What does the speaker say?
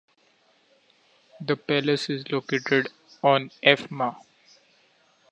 The palace is located on F. Ma.